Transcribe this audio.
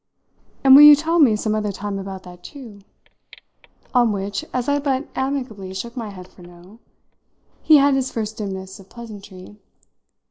"And will you tell me some other time about that too?" On which, as I but amicably shook my head for no, he had his first dimness of pleasantry.